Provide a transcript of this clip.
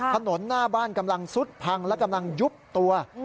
ถนนหน้าบ้านกำลังซุดพังและกำลังยุบตัว